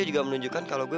eh udah udah jangan ribut